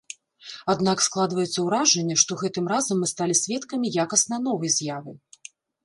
Аднак складваецца ўражанне, што гэтым разам мы сталі сведкамі якасна новай з'явы.